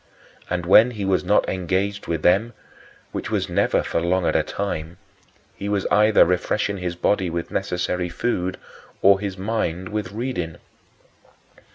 And when he was not engaged with them which was never for long at a time he was either refreshing his body with necessary food or his mind with reading.